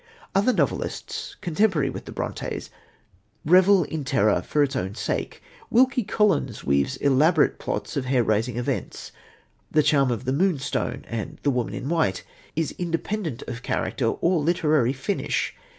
Other novelists, contemporary with the Brontës, revel in terror for its own sake. Wilkie Collins weaves elaborate plots of hair raising events. The charm of The Moonstone and the Woman in White is independent of character or literary finish.